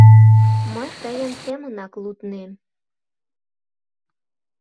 — Мый тыйын семынак луднем!